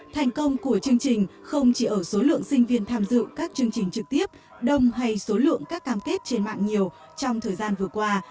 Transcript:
thành công của chương trình không chỉ ở số lượng sinh viên tham dự các chương trình trực tiếp đông hay số lượng các cam kết trên mạng nhiều trong thời gian vừa qua